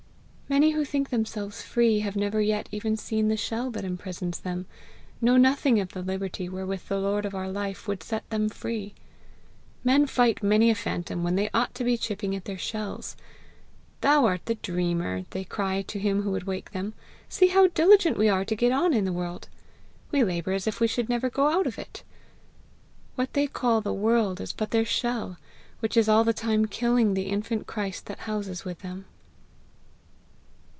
Many who think themselves free have never yet even seen the shell that imprisons them know nothing of the liberty wherewith the Lord of our life would set them free. Men fight many a phantom when they ought to be chipping at their shells. "Thou art the dreamer!" they cry to him who would wake them. "See how diligent we are to get on in the world! We labour as if we should never go out of it!" What they call the world is but their shell, which is all the time killing the infant Christ that houses with them.